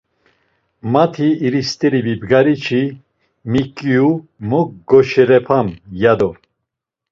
Mati iri st̆eri vibgari-çi, miǩiu, mo goşerep̌am ya do.